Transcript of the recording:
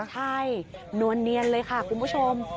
ใช่เนินเลยค่ะคุณผู้ชม